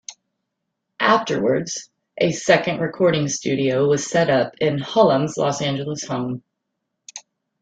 Afterwards, a second recording studio was set up in Hullum's Los Angeles home.